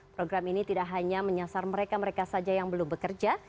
program ini tidak hanya menyasar mereka mereka saja yang belum bekerja